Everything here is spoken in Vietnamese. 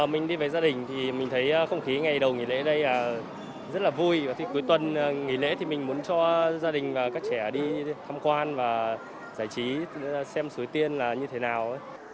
mình đi với gia đình thì mình thấy không khí ngày đầu nghỉ lễ đây rất là vui và khi cuối tuần nghỉ lễ thì mình muốn cho gia đình và các trẻ đi tham quan và giải trí xem suối tiên là như thế nào